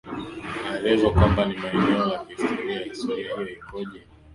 aelezwa kwamba ni eneo la kihistoria historia hiyo ikoje yam